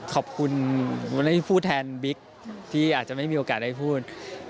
ขอบคุณวันนี้ผู้แทนบิ๊กที่อาจจะไม่มีโอกาสได้พูด